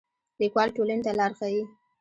لیکوال ټولنې ته لار ښيي